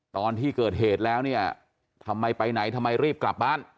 ตอนที่เกิดเหตุแล้วเนี่ยทำไมไปไหนทำไมรีบกลับบ้าน